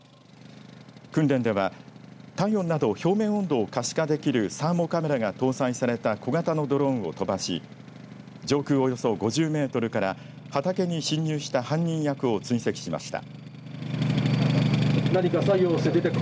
訓練では、体温など表面温度を可視化できるサーモカメラが搭載された小型のドローンを飛ばし上空およそ５０メートルから畑に侵入した犯人役を追跡しました。